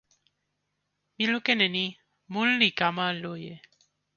mi lukin e ni: mun li kama loje.